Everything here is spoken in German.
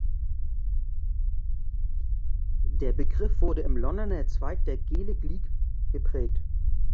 Der Begriff wurde im Londoner Zweig der Gaelic League geprägt.